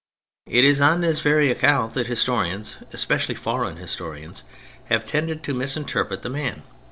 It is on this very account that historians, especially foreign historians, have tended to misinterpret the man.